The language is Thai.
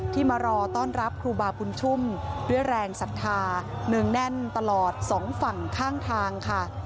มารอต้อนรับครูบาบุญชุ่มด้วยแรงศรัทธาเนืองแน่นตลอดสองฝั่งข้างทางค่ะ